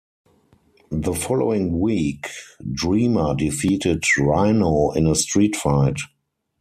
The following week Dreamer defeated Rhino in a Street Fight.